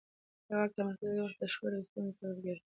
د واک تمرکز اکثره وخت د شخړو او ستونزو سبب ګرځي